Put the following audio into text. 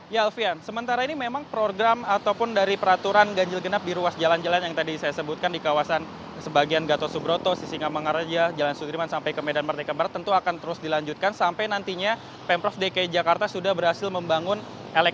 ya alfian sementara ini memang program ataupun dari peraturan ganjil genap di ruas jalan jalan yang tadi saya sebutkan di kawasan sebagian gatot subroto sisingamangaraja jalan sudirman sampai ke medan merdeka barat tentu akan terus dilanjutkan sampai nantinya pemprov dki jakarta sudah berhasil membangun elektronik